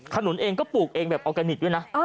นุนเองก็ปลูกเองแบบออร์แกนิคด้วยนะ